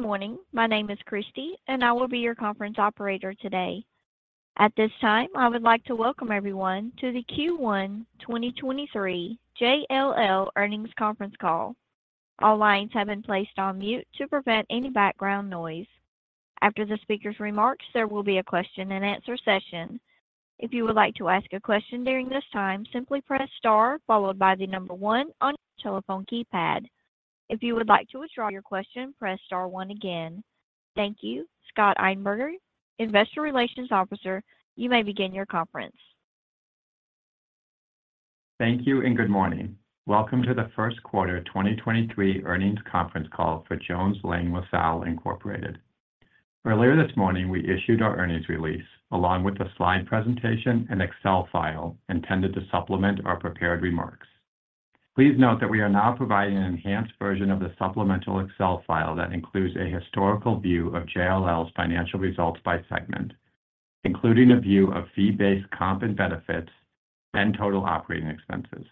Good morning. My name is Christy, and I will be your conference operator today. At this time, I would like to welcome everyone to the Q1 2023 JLL Earnings Conference Call. All lines have been placed on mute to prevent any background noise. After the speaker's remarks, there will be a question and answer session. If you would like to ask a question during this time, simply press star followed by the number one on your telephone keypad. If you would like to withdraw your question, press star one again. Thank you. Scott Einberger, Investor Relations Officer, you may begin your conference. Thank you and good morning. Welcome to the first quarter 2023 earnings conference call for Jones Lang LaSalle Incorporated. Earlier this morning, we issued our earnings release, along with a slide presentation and Excel file intended to supplement our prepared remarks. Please note that we are now providing an enhanced version of the supplemental Excel file that includes a historical view of JLL's financial results by segment, including a view of fee-based comp and benefits and total operating expenses.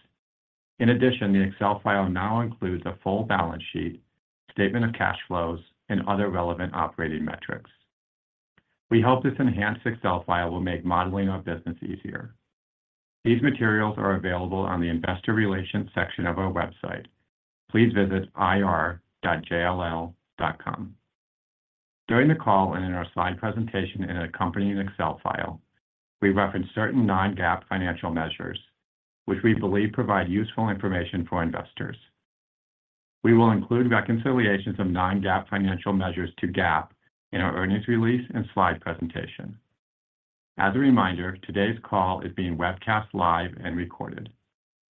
In addition, the Excel file now includes a full balance sheet, statement of cash flows, and other relevant operating metrics. We hope this enhanced Excel file will make modeling our business easier. These materials are available on the investor relations section of our website. Please visit ir.jll.com. During the call and in our slide presentation and accompanying Excel file, we reference certain non-GAAP financial measures, which we believe provide useful information for investors. We will include reconciliations of non-GAAP financial measures to GAAP in our earnings release and slide presentation. As a reminder, today's call is being webcast live and recorded.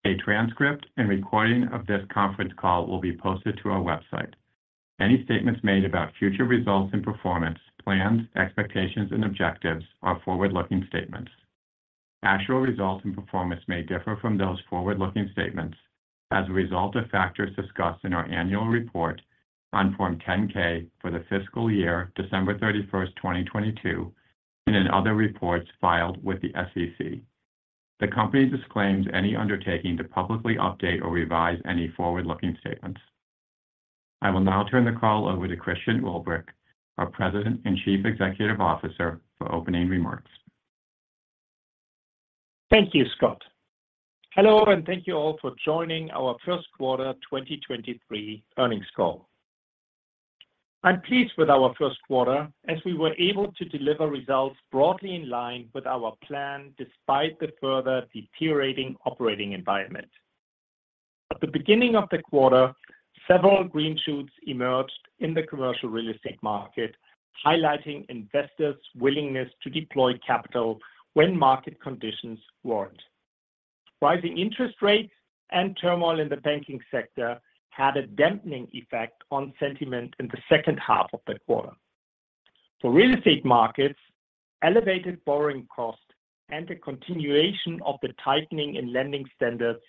A transcript and recording of this conference call will be posted to our website. Any statements made about future results and performance, plans, expectations, and objectives are forward-looking statements. Actual results and performance may differ from those forward-looking statements as a result of factors discussed in our annual report on Form 10-K for the fiscal year December 31st, 2022, and in other reports filed with the SEC. The company disclaims any undertaking to publicly update or revise any forward-looking statements. I will now turn the call over to Christian Ulbrich, our President and Chief Executive Officer, for opening remarks. Thank you, Scott. Hello, thank you all for joining our first quarter 2023 earnings call. I'm pleased with our first quarter as we were able to deliver results broadly in line with our plan despite the further deteriorating operating environment. At the beginning of the quarter, several green shoots emerged in the commercial real estate market, highlighting investors' willingness to deploy capital when market conditions warrant. Rising interest rates and turmoil in the banking sector had a dampening effect on sentiment in the second half of the quarter. For real estate markets, elevated borrowing costs and the continuation of the tightening in lending standards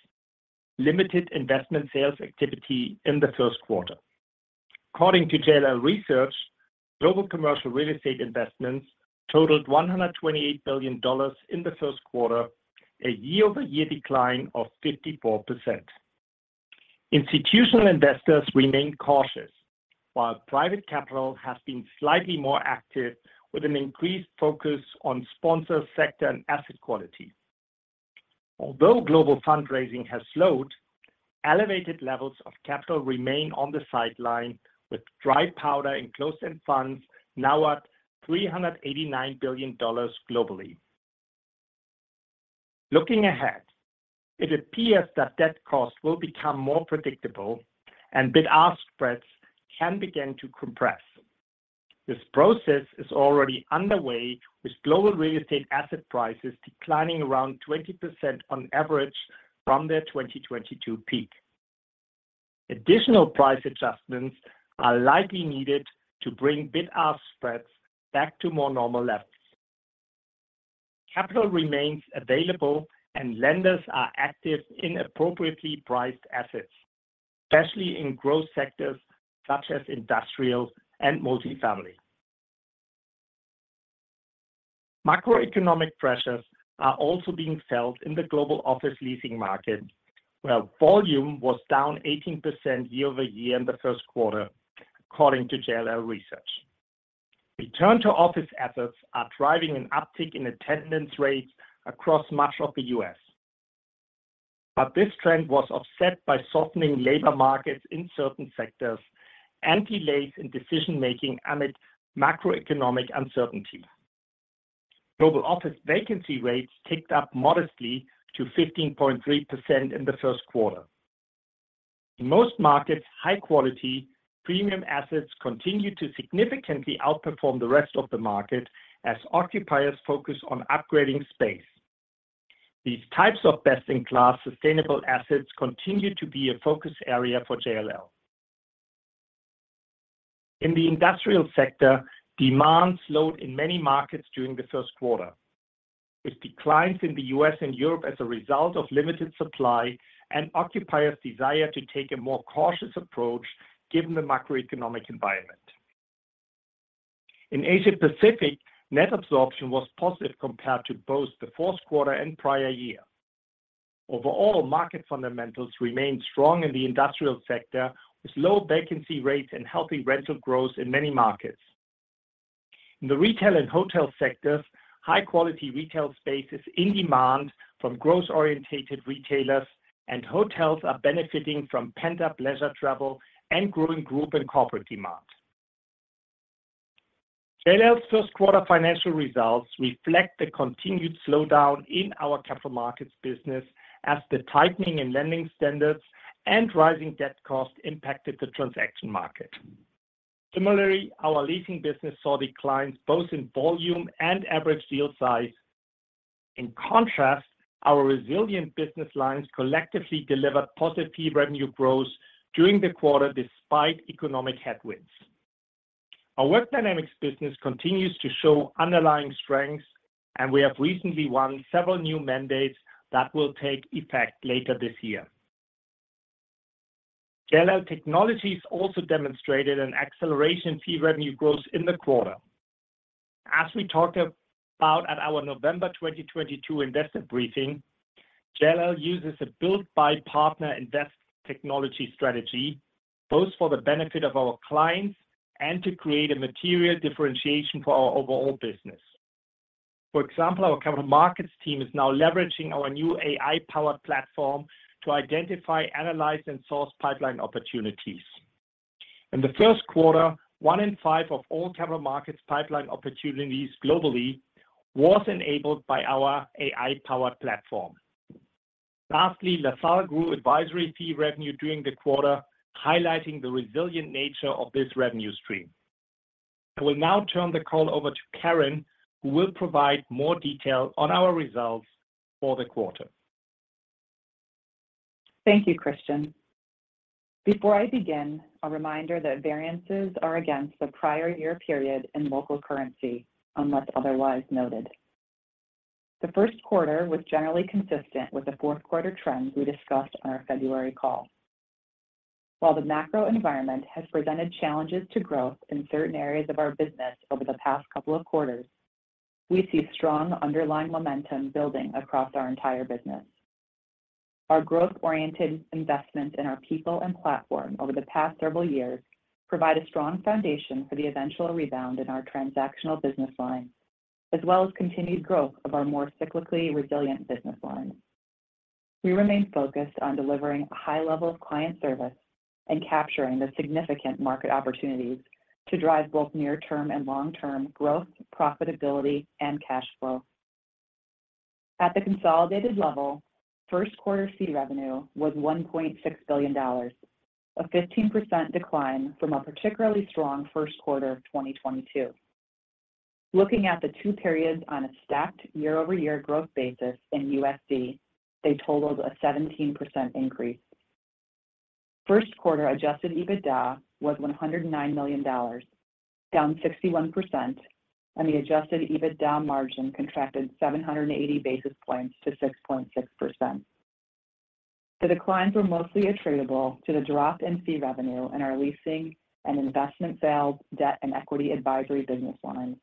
limited investment sales activity in the first quarter. According to JLL Research, global commercial real estate investments totaled $128 billion in the first quarter, a year-over-year decline of 54%. Institutional investors remain cautious, while private capital has been slightly more active with an increased focus on sponsor, sector, and asset quality. Although global fundraising has slowed, elevated levels of capital remain on the sideline with dry powder in closed-end funds now at $389 billion globally. Looking ahead, it appears that debt costs will become more predictable and bid-ask spreads can begin to compress. This process is already underway with global real estate asset prices declining around 20% on average from their 2022 peak. Additional price adjustments are likely needed to bring bid-ask spreads back to more normal levels. Capital remains available, and lenders are active in appropriately priced assets, especially in growth sectors such as industrial and multifamily. Macroeconomic pressures are also being felt in the global office leasing market, where volume was down 18% year-over-year in the first quarter, according to JLL Research. Return to office assets are driving an uptick in attendance rates across much of the U.S. This trend was offset by softening labor markets in certain sectors and delays in decision making amid macroeconomic uncertainty. Global office vacancy rates ticked up modestly to 15.3% in the first quarter. In most markets, high quality premium assets continued to significantly outperform the rest of the market as occupiers focus on upgrading space. These types of best-in-class sustainable assets continue to be a focus area for JLL. In the industrial sector, demand slowed in many markets during the first quarter, with declines in the U.S. and Europe as a result of limited supply and occupiers' desire to take a more cautious approach given the macroeconomic environment. In Asia Pacific, net absorption was positive compared to both the fourth quarter and prior year. Overall, market fundamentals remained strong in the industrial sector, with low vacancy rates and healthy rental growth in many markets. In the retail and hotel sectors, high-quality retail space is in demand from growth-orientated retailers, and hotels are benefiting from pent-up leisure travel and growing group and corporate demand. JLL's first quarter financial results reflect the continued slowdown in our Capital Markets business as the tightening in lending standards and rising debt cost impacted the transaction market. Similarly, our leasing business saw declines both in volume and average deal size. In contrast, our resilient business lines collectively delivered positive fee revenue growth during the quarter despite economic headwinds. Our Work Dynamics business continues to show underlying strength, and we have recently won several new mandates that will take effect later this year. JLL Technologies also demonstrated an acceleration fee revenue growth in the quarter. As we talked about at our November 2022 investor briefing, JLL uses a build-buy-partner-invest technology strategy both for the benefit of our clients and to create a material differentiation for our overall business. For example, our Capital Markets team is now leveraging our new AI-powered platform to identify, analyze, and source pipeline opportunities. In the first quarter, one in five of all Capital Markets pipeline opportunities globally was enabled by our AI-powered platform. Lastly, LaSalle grew advisory fee revenue during the quarter, highlighting the resilient nature of this revenue stream. I will now turn the call over to Karen, who will provide more detail on our results for the quarter. Thank you, Christian. Before I begin, a reminder that variances are against the prior year period in local currency, unless otherwise noted. The first quarter was generally consistent with the fourth quarter trends we discussed on our February call. While the macro environment has presented challenges to growth in certain areas of our business over the past couple of quarters, we see strong underlying momentum building across our entire business. Our growth-oriented investment in our people and platform over the past several years provide a strong foundation for the eventual rebound in our transactional business lines, as well as continued growth of our more cyclically resilient business lines. We remain focused on delivering a high level of client service and capturing the significant market opportunities to drive both near-term and long-term growth, profitability, and cash flow. At the consolidated level, first quarter fee revenue was $1.6 billion, a 15% decline from a particularly strong first quarter of 2022. Looking at the two periods on a stacked year-over-year growth basis in USD, they totaled a 17% increase. First quarter adjusted EBITDA was $109 million, down 61%, and the adjusted EBITDA margin contracted 780 basis points to 6.6%. The declines were mostly attributable to the drop in fee revenue in our leasing and investment sales, debt and equity advisory business lines,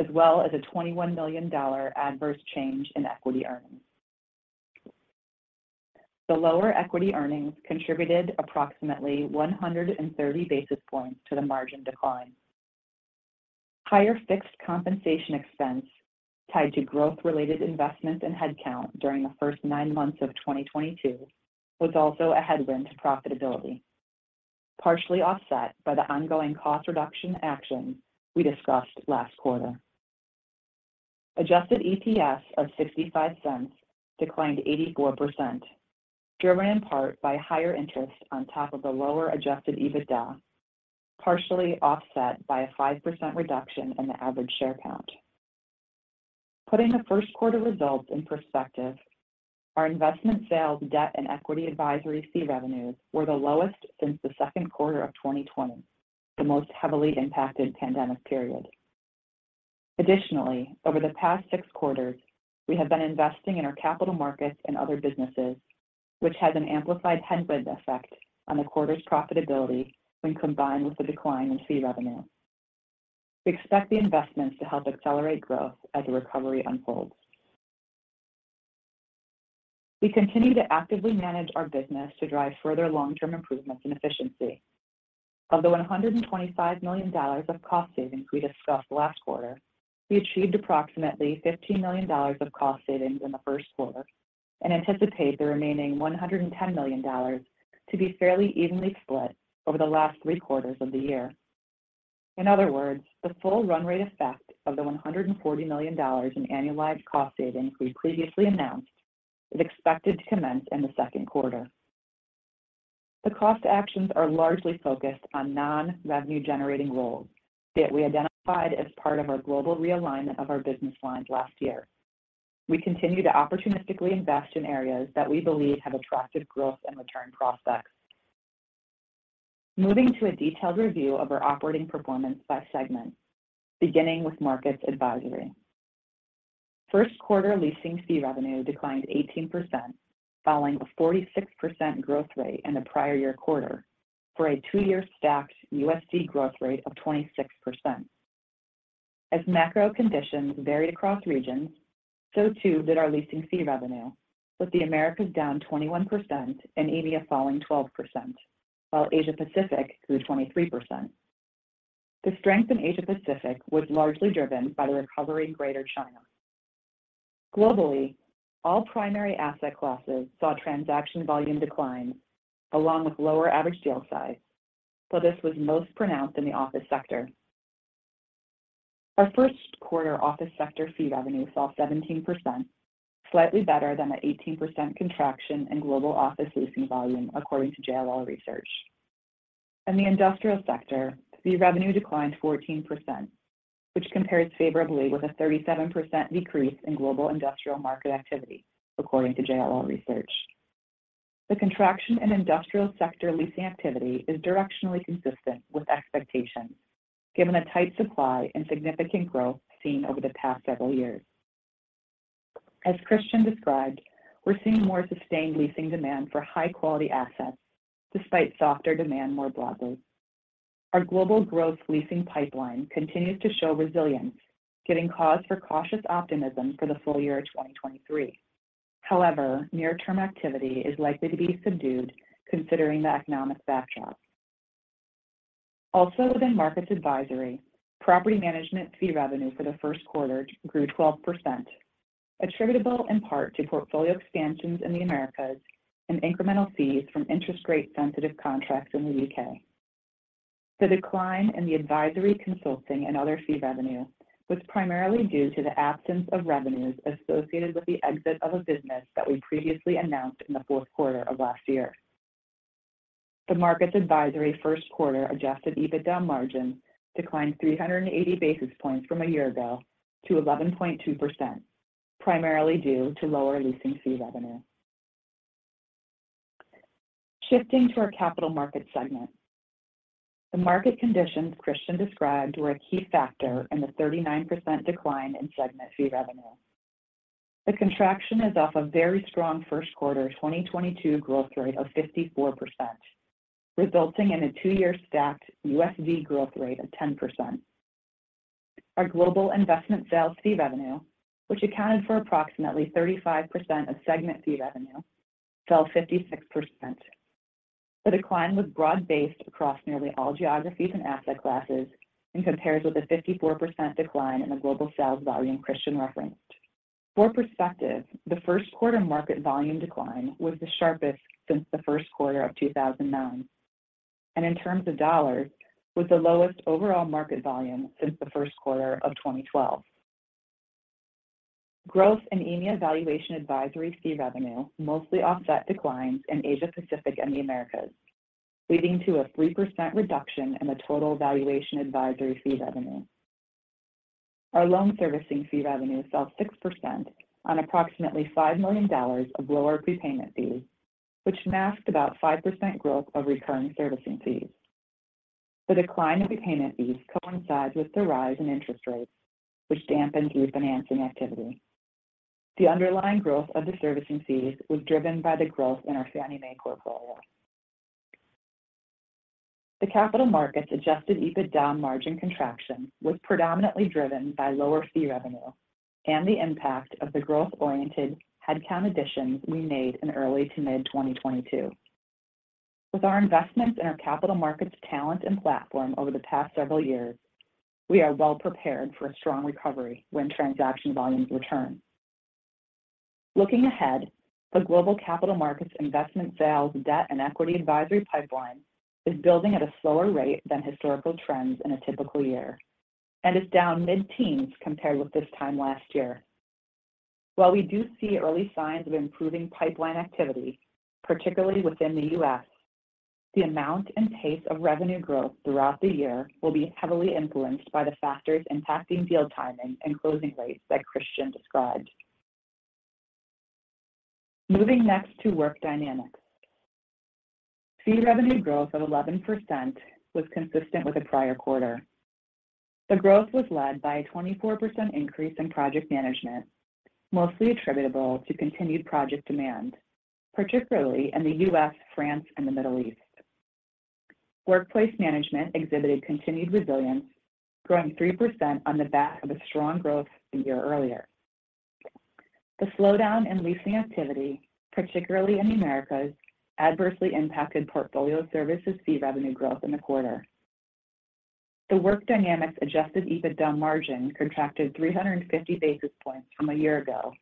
as well as a $21 million adverse change in equity earnings. The lower equity earnings contributed approximately 130 basis points to the margin decline. Higher fixed compensation expense tied to growth-related investments in headcount during the first nine months of 2022 was also a headwind to profitability, partially offset by the ongoing cost reduction actions we discussed last quarter. Adjusted EPS of $0.65 declined 84%, driven in part by higher interest on top of the lower adjusted EBITDA, partially offset by a 5% reduction in the average share count. Putting the first quarter results in perspective, our investment sales, debt, and equity advisory fee revenues were the lowest since the second quarter of 2020, the most heavily impacted pandemic period. Additionally, over the past six quarters, we have been investing in our Capital Markets and other businesses, which has an amplified headwind effect on the quarter's profitability when combined with the decline in fee revenue. We expect the investments to help accelerate growth as the recovery unfolds. We continue to actively manage our business to drive further long-term improvements in efficiency. Of the $125 million of cost savings we discussed last quarter, we achieved approximately $15 million of cost savings in the first quarter and anticipate the remaining $110 million to be fairly evenly split over the last three quarters of the year. In other words, the full run rate effect of the $140 million in annualized cost savings we previously announced is expected to commence in the second quarter. The cost actions are largely focused on non-revenue generating roles that we identified as part of our global realignment of our business lines last year. We continue to opportunistically invest in areas that we believe have attractive growth and return prospects. Moving to a detailed review of our operating performance by segment, beginning with Markets Advisory. First quarter leasing fee revenue declined 18% following a 46% growth rate in the prior year quarter for a two-year stacked USD growth rate of 26%. As macro conditions vary across regions, so too did our leasing fee revenue, with the America down 21% and EMEA falling 12%, while Asia Pacific grew 23%. The strength in Asia Pacific was largely driven by the recovery in Greater China. Globally, all primary asset classes saw transaction volume decline along with lower average deal size, but this was most pronounced in the office sector. Our first quarter office sector fee revenue fell 17%, slightly better than the 18% contraction in global office leasing volume, according to JLL Research. In the industrial sector, fee revenue declined 14%, which compares favorably with a 37% decrease in global industrial market activity, according to JLL Research. The contraction in industrial sector leasing activity is directionally consistent with expectations given the tight supply and significant growth seen over the past several years. As Christian described, we're seeing more sustained leasing demand for high-quality assets despite softer demand more broadly. Our global growth leasing pipeline continues to show resilience, giving cause for cautious optimism for the full year of 2023. However, near-term activity is likely to be subdued considering the economic backdrop. Also within Markets Advisory, property management fee revenue for the first quarter grew 12%, attributable in part to portfolio expansions in the Americas and incremental fees from interest rate-sensitive contracts in the U.K. The decline in the advisory, consulting, and other fee revenue was primarily due to the absence of revenues associated with the exit of a business that we previously announced in the fourth quarter of last year. The Markets Advisory first quarter adjusted EBITDA margin declined 380 basis points from a year ago to 11.2%, primarily due to lower leasing fee revenue. Shifting to our Capital Markets segment. The market conditions Christian described were a key factor in the 39% decline in segment fee revenue. The contraction is off a very strong first quarter 2022 growth rate of 54%, resulting in a two-year stacked USD growth rate of 10%. Our global investment sales fee revenue, which accounted for approximately 35% of segment fee revenue, fell 56%. The decline was broad-based across nearly all geographies and asset classes and compares with a 54% decline in the global sales volume Christian referenced. For perspective, the first quarter market volume decline was the sharpest since the first quarter of 2009, and in terms of dollars, was the lowest overall market volume since the first quarter of 2012. Growth in EMEA valuation advisory fee revenue mostly offset declines in Asia Pacific and the Americas, leading to a 3% reduction in the total valuation advisory fee revenue. Our loan servicing fee revenue fell 6% on approximately $5 million of lower prepayment fees, which masked about 5% growth of recurring servicing fees. The decline in prepayment fees coincides with the rise in interest rates, which dampened refinancing activity. The underlying growth of the servicing fees was driven by the growth in our Fannie Mae portfolio. The Capital Markets adjusted EBITDA margin contraction was predominantly driven by lower fee revenue and the impact of the growth-oriented headcount additions we made in early to mid-2022. With our investments in our Capital Markets talent and platform over the past several years, we are well prepared for a strong recovery when transaction volumes return. Looking ahead, the global Capital Markets Investment Sales Debt and Equity Advisory pipeline is building at a slower rate than historical trends in a typical year and is down mid-teens compared with this time last year. While we do see early signs of improving pipeline activity, particularly within the U.S., the amount and pace of revenue growth throughout the year will be heavily influenced by the factors impacting deal timing and closing rates that Christian described. Moving next to Work Dynamics. Fee revenue growth of 11% was consistent with the prior quarter. The growth was led by a 24% increase in project management, mostly attributable to continued project demand, particularly in the U.S., France, and the Middle East. Workplace Management exhibited continued resilience, growing 3% on the back of a strong growth the year earlier. The slowdown in leasing activity, particularly in the Americas, adversely impacted portfolio services fee revenue growth in the quarter. The Work Dynamics adjusted EBITDA margin contracted 350 basis points from a year ago,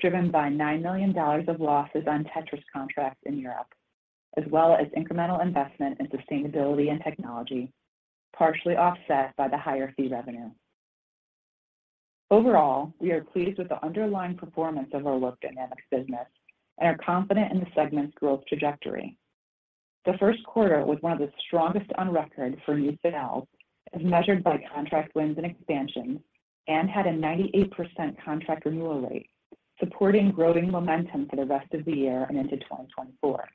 driven by $9 million of losses on Tétris contracts in Europe, as well as incremental investment in sustainability and technology, partially offset by the higher fee revenue. Overall, we are pleased with the underlying performance of our Work Dynamics business and are confident in the segment's growth trajectory. The first quarter was one of the strongest on record for new sales as measured by contract wins and expansions and had a 98% contract renewal rate, supporting growing momentum for the rest of the year and into 2024.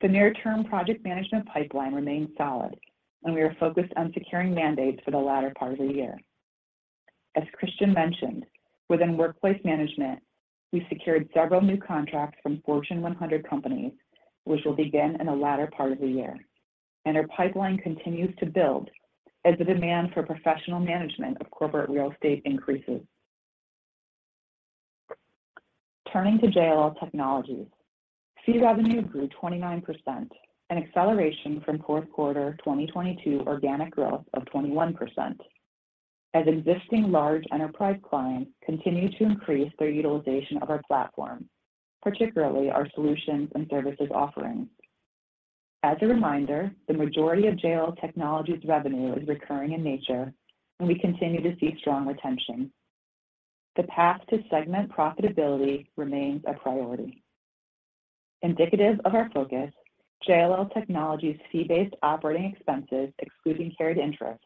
The near-term project management pipeline remains solid, and we are focused on securing mandates for the latter part of the year. As Christian mentioned, within workplace management, we secured several new contracts from Fortune 100 companies, which will begin in the latter part of the year. Our pipeline continues to build as the demand for professional management of corporate real estate increases. Turning to JLL Technologies. Fee revenue grew 29%, an acceleration from fourth quarter 2022 organic growth of 21%, as existing large enterprise clients continue to increase their utilization of our platform, particularly our solutions and services offerings. As a reminder, the majority of JLL Technologies' revenue is recurring in nature, and we continue to see strong retention. The path to segment profitability remains a priority. Indicative of our focus, JLL Technologies' fee-based operating expenses excluding carried interest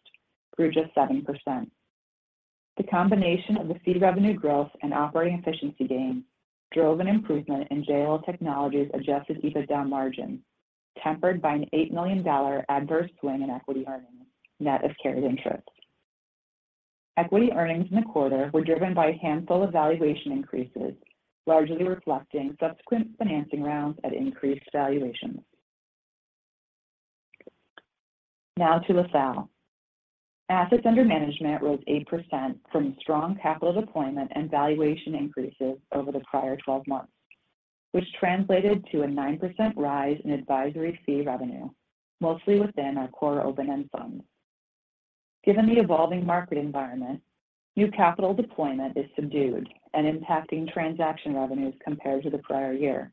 grew just 7%. The combination of the fee revenue growth and operating efficiency gains drove an improvement in JLL Technologies' adjusted EBITDA margin, tempered by an $8 million adverse swing in equity earnings, net of carried interest. Equity earnings in the quarter were driven by a handful of valuation increases, largely reflecting subsequent financing rounds at increased valuations. Now to LaSalle. Assets under management rose 8% from strong capital deployment and valuation increases over the prior 12 months, which translated to a 9% rise in advisory fee revenue, mostly within our core open-end funds. Given the evolving market environment, new capital deployment is subdued and impacting transaction revenues compared to the prior year.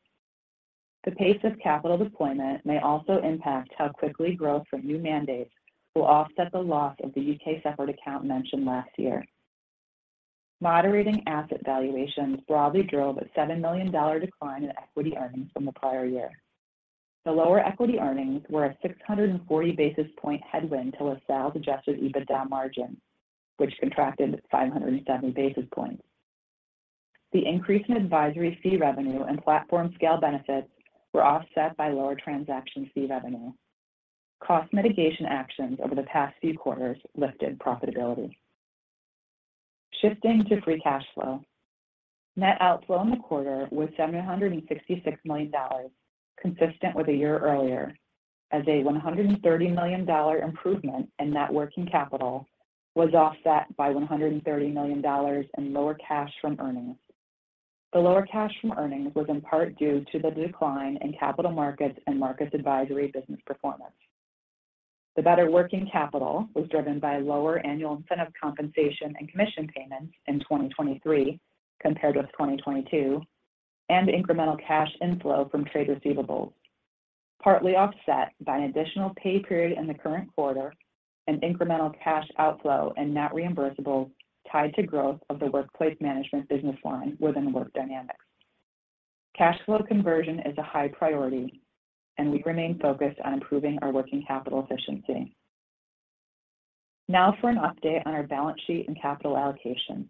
The pace of capital deployment may also impact how quickly growth from new mandates will offset the loss of the U.K. separate account mentioned last year. Moderating asset valuations broadly drove a $7 million decline in equity earnings from the prior year. The lower equity earnings were a 640 basis point headwind to LaSalle's adjusted EBITDA margin, which contracted 507 basis points. The increase in advisory fee revenue and platform scale benefits were offset by lower transaction fee revenue. Cost mitigation actions over the past few quarters lifted profitability. Shifting to free cash flow. Net outflow in the quarter was $766 million, consistent with a year earlier, as a $130 million improvement in net working capital was offset by $130 million in lower cash from earnings. The lower cash from earnings was in part due to the decline in Capital Markets and Markets Advisory business performance. The better working capital was driven by lower annual incentive compensation and commission payments in 2023 compared with 2022, and incremental cash inflow from trade receivables, partly offset by an additional pay period in the current quarter and incremental cash outflow and net reimbursables tied to growth of the workplace management business line within Work Dynamics. Cash flow conversion is a high priority, we remain focused on improving our working capital efficiency. Now for an update on our balance sheet and capital allocation.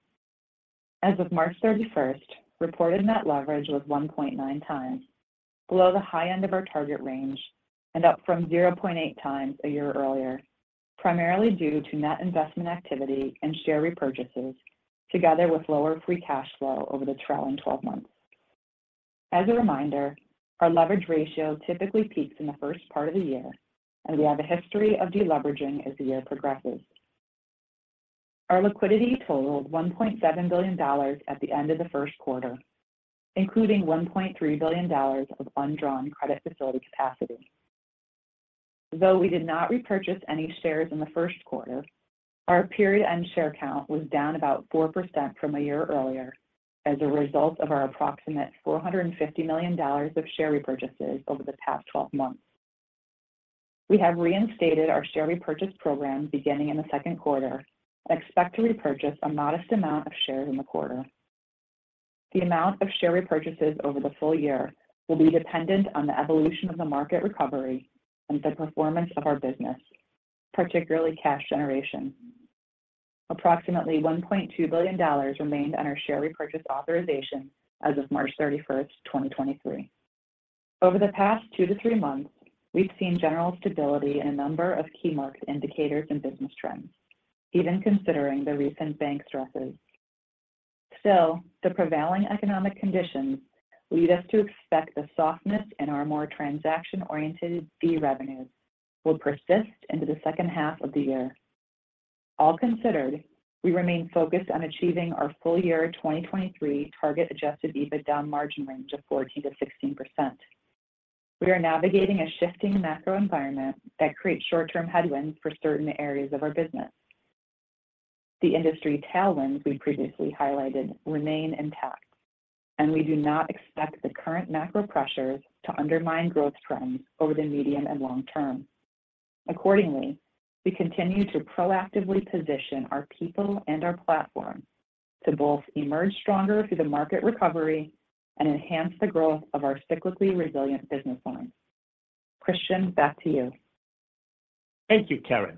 As of March 31st, reported net leverage was 1.9x below the high end of our target range and up from 0.8x a year earlier, primarily due to net investment activity and share repurchases together with lower free cash flow over the trailing 12 months. As a reminder, our leverage ratio typically peaks in the first part of the year, and we have a history of deleveraging as the year progresses. Our liquidity totaled $1.7 billion at the end of the first quarter, including $1.3 billion of undrawn credit facility capacity. Though we did not repurchase any shares in the first quarter, our period end share count was down about 4% from a year earlier as a result of our approximate $450 million of share repurchases over the past 12 months. We have reinstated our share repurchase program beginning in the second quarter and expect to repurchase a modest amount of shares in the quarter. The amount of share repurchases over the full year will be dependent on the evolution of the market recovery and the performance of our business, particularly cash generation. Approximately $1.2 billion remained on our share repurchase authorization as of March 31, 2023. Over the past two to three months, we've seen general stability in a number of key market indicators and business trends, even considering the recent bank stresses. The prevailing economic conditions lead us to expect the softness in our more transaction-oriented fee revenues will persist into the second half of the year. All considered, we remain focused on achieving our full year 2023 target adjusted EBITDA margin range of 14%-16%. We are navigating a shifting macro environment that creates short-term headwinds for certain areas of our business. The industry tailwinds we previously highlighted remain intact. We do not expect the current macro pressures to undermine growth trends over the medium and long term. Accordingly, we continue to proactively position our people and our platform to both emerge stronger through the market recovery and enhance the growth of our cyclically resilient business lines. Christian, back to you. Thank you, Karen.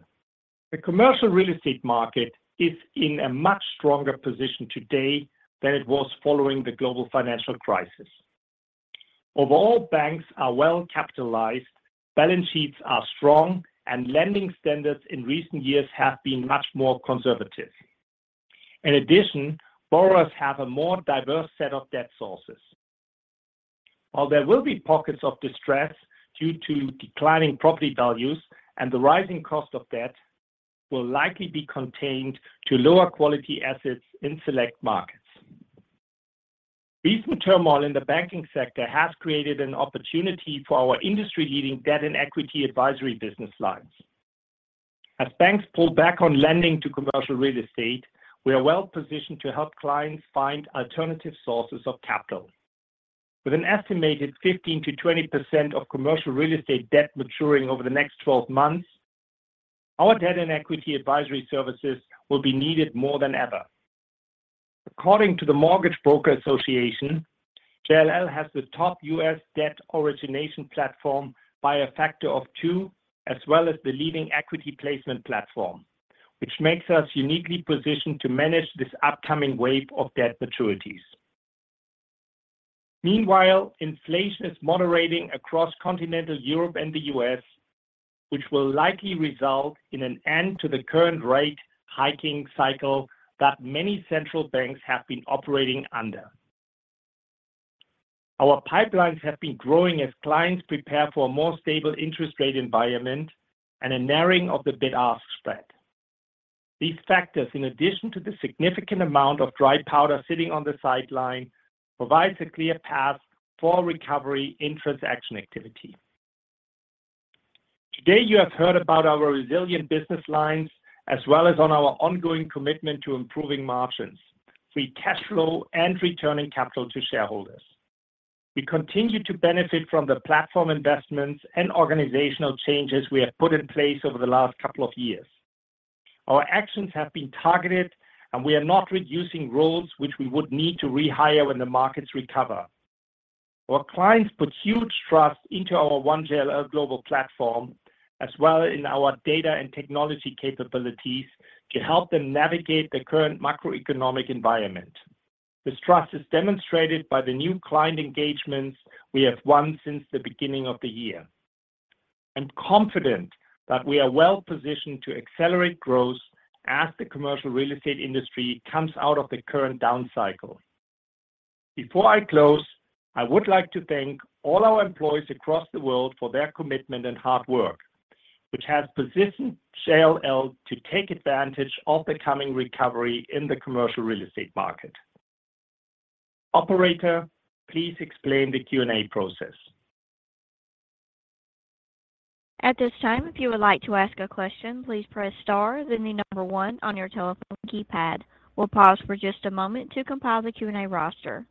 The commercial real estate market is in a much stronger position today than it was following the global financial crisis. Overall, banks are well capitalized, balance sheets are strong, and lending standards in recent years have been much more conservative. In addition, borrowers have a more diverse set of debt sources. While there will be pockets of distress due to declining property values and the rising cost of debt will likely be contained to lower quality assets in select markets. Recent turmoil in the banking sector has created an opportunity for our industry-leading Debt and Equity Advisory business lines. As banks pull back on lending to commercial real estate, we are well positioned to help clients find alternative sources of capital. With an estimated 15%-20% of commercial real estate debt maturing over the next 12 months, our Debt and Equity Advisory services will be needed more than ever. According to the Mortgage Brokers Association, JLL has the top U.S. debt origination platform by a factor of two, as well as the leading equity placement platform. Which makes us uniquely positioned to manage this upcoming wave of debt maturities. Meanwhile, inflation is moderating across continental Europe and the U.S., which will likely result in an end to the current rate hiking cycle that many central banks have been operating under. Our pipelines have been growing as clients prepare for a more stable interest rate environment and a narrowing of the bid-ask spread. These factors, in addition to the significant amount of dry powder sitting on the sideline, provides a clear path for recovery in transaction activity. Today, you have heard about our resilient business lines as well as on our ongoing commitment to improving margins, free cash flow, and returning capital to shareholders. We continue to benefit from the platform investments and organizational changes we have put in place over the last couple of years. Our actions have been targeted. We are not reducing roles which we would need to rehire when the markets recover. Our clients put huge trust into our One JLL global platform as well in our data and technology capabilities to help them navigate the current macroeconomic environment. This trust is demonstrated by the new client engagements we have won since the beginning of the year. I'm confident that we are well positioned to accelerate growth as the commercial real estate industry comes out of the current down cycle. Before I close, I would like to thank all our employees across the world for their commitment and hard work, which has positioned JLL to take advantage of the coming recovery in the commercial real estate market. Operator, please explain the Q&A process. At this time, if you would like to ask a question, please press star, then the number one on your telephone keypad. We'll pause for just a moment to compile the Q&A roster.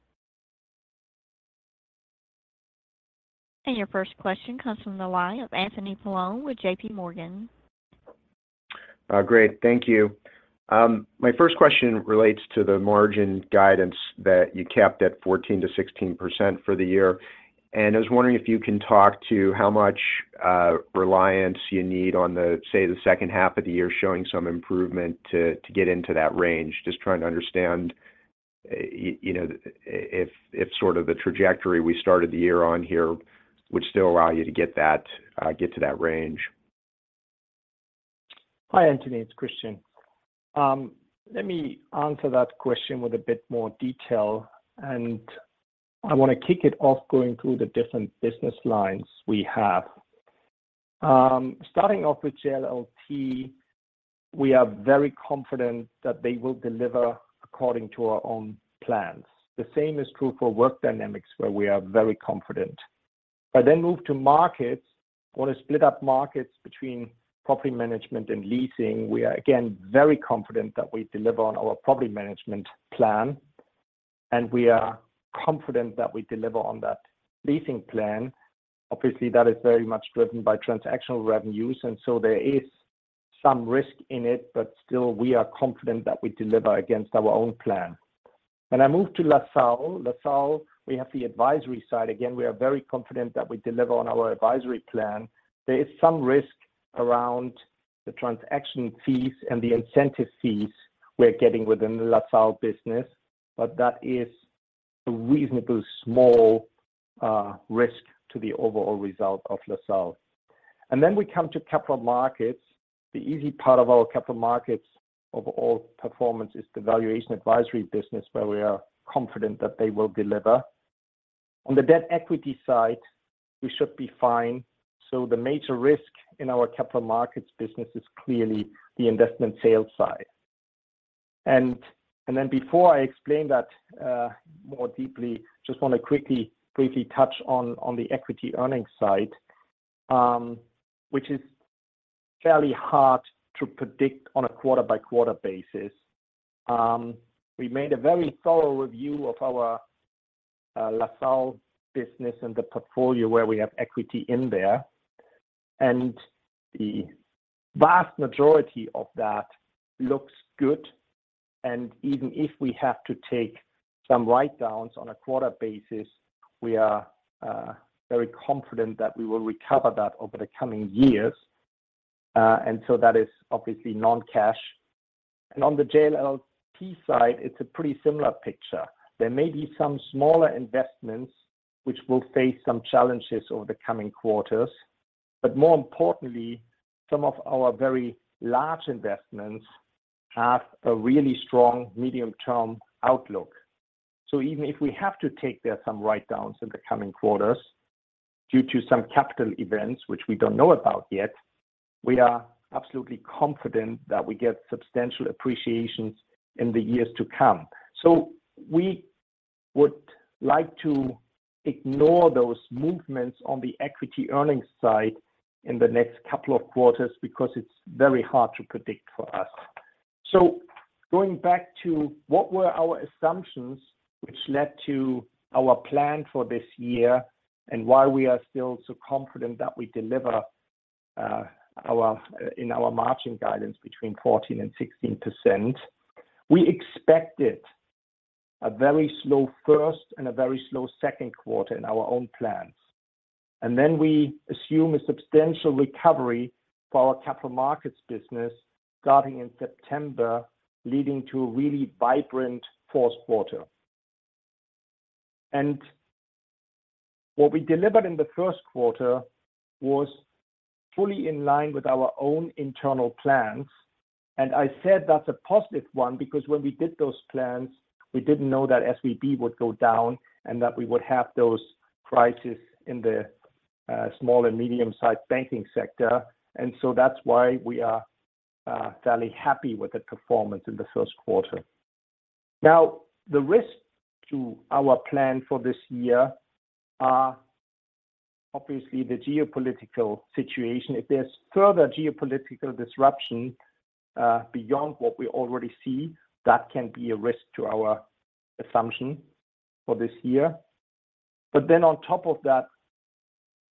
Your first question comes from the line of Anthony Paolone with J.P. Morgan. Great. Thank you. My first question relates to the margin guidance that you kept at 14%-16% for the year. I was wondering if you can talk to how much reliance you need on the, say, the second half of the year showing some improvement to get into that range. Just trying to understand, you know, if sort of the trajectory we started the year on here would still allow you to get that get to that range. Hi, Anthony. It's Christian. Let me answer that question with a bit more detail, I wanna kick it off going through the different business lines we have. Starting off with JLLT, we are very confident that they will deliver according to our own plans. The same is true for Work Dynamics, where we are very confident. If I then move to markets. Want to split up markets between property management and leasing. We are again, very confident that we deliver on our property management plan, we are confident that we deliver on that leasing plan. Obviously, that is very much driven by transactional revenues, there is some risk in it, but still, we are confident that we deliver against our own plan. When I move to LaSalle. LaSalle, we have the advisory side. We are very confident that we deliver on our advisory plan. There is some risk around the transaction fees and the incentive fees we're getting within the LaSalle business, that is a reasonably small risk to the overall result of LaSalle. We come to Capital Markets. The easy part of our Capital Markets overall performance is the Valuation Advisory business, where we are confident that they will deliver. On the debt equity side, we should be fine. The major risk in our Capital Markets business is clearly the investment sales side. Before I explain that more deeply, just want to quickly, briefly touch on the equity earnings side, which is fairly hard to predict on a quarter-by-quarter basis. We made a very thorough review of our LaSalle business and the portfolio where we have equity in there, and the vast majority of that looks good. Even if we have to take some write-downs on a quarter basis, we are very confident that we will recover that over the coming years. That is obviously non-cash. On the JLLT side, it's a pretty similar picture. There may be some smaller investments which will face some challenges over the coming quarters, but more importantly, some of our very large investments have a really strong medium-term outlook. Even if we have to take there some write-downs in the coming quarters due to some capital events which we don't know about yet, we are absolutely confident that we get substantial appreciations in the years to come. We would like to ignore those movements on the equity earnings side in the next couple of quarters because it's very hard to predict for us. Going back to what were our assumptions which led to our plan for this year and why we are still so confident that we deliver in our margin guidance between 14% and 16%, we expected a very slow first and a very slow second quarter in our own plans. Then we assume a substantial recovery for our Capital Markets business starting in September, leading to a really vibrant fourth quarter. And what we delivered in the first quarter was fully in line with our own internal plans. I said that's a positive one, because when we did those plans, we didn't know that SVB would go down and that we would have those crises in the small and medium-sized banking sector. That's why we are fairly happy with the performance in the first quarter. The risk to our plan for this year are obviously the geopolitical situation. If there's further geopolitical disruption beyond what we already see, that can be a risk to our assumption for this year. On top of that,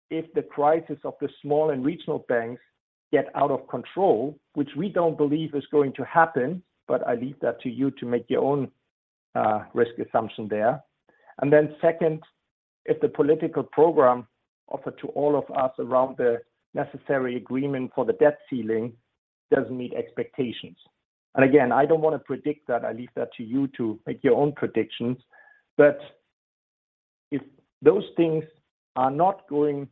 if the crisis of the small and regional banks get out of control, which we don't believe is going to happen, but I leave that to you to make your own risk assumption there. Then second, if the political program offered to all of us around the necessary agreement for the debt ceiling doesn't meet expectations. Again, I don't want to predict that. I leave that to you to make your own predictions. If those things are not going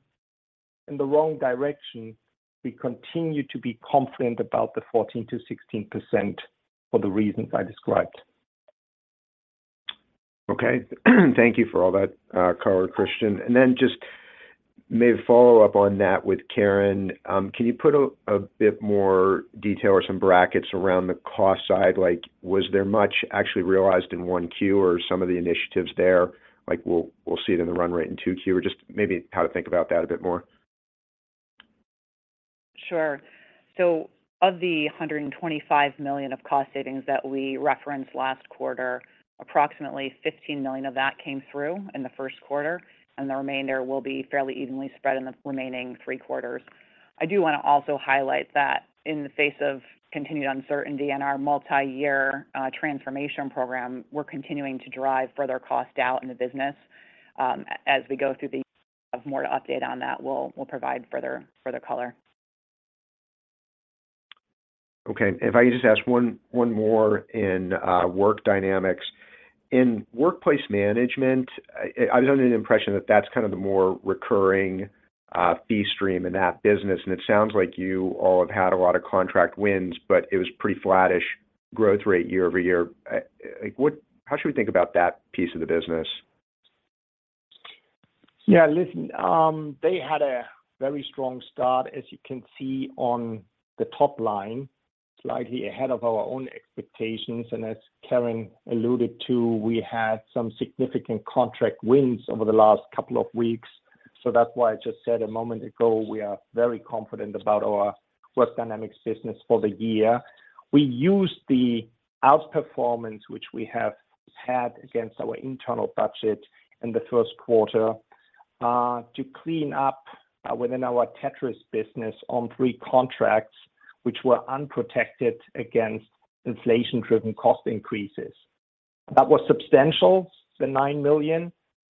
in the wrong direction, we continue to be confident about the 14%-16% for the reasons I described. Okay. Thank you for all that color, Christian. Just may follow up on that with Karen. Can you put a bit more detail or some brackets around the cost side? Like, was there much actually realized in 1Q or some of the initiatives there? Like, we'll see it in the run rate in 2Q or just maybe how to think about that a bit more. Of the $125 million of cost savings that we referenced last quarter, approximately $15 million of that came through in the first quarter, and the remainder will be fairly evenly spread in the remaining three quarters. I do wanna also highlight that in the face of continued uncertainty in our multi-year transformation program, we're continuing to drive further cost out in the business. As we go through have more to update on that, we'll provide further color. Okay. If I could just ask one more in Work Dynamics. In workplace management, I was under the impression that that's kind of the more recurring fee stream in that business. It sounds like you all have had a lot of contract wins, but it was pretty flattish growth rate year-over-year. Like how should we think about that piece of the business? Listen, they had a very strong start, as you can see on the top line, slightly ahead of our own expectations. As Karen alluded to, we had some significant contract wins over the last couple of weeks. That's why I just said a moment ago, we are very confident about our Work Dynamics business for the year. We used the outperformance which we have had against our internal budget in the first quarter, to clean up within our Tétris business on three contracts which were unprotected against inflation-driven cost increases. That was substantial, the $9 million.